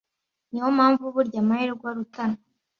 Niyo mpamvu burya amahirwe arutana